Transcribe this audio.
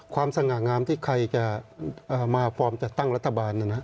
สง่างามที่ใครจะมาฟอร์มจัดตั้งรัฐบาล